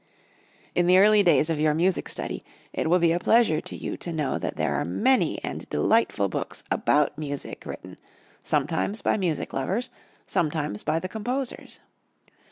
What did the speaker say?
In the early days of your music study, it will be a pleasure to you to know that there are many and delightful books about music written, sometimes by music lovers, sometimes by the composers.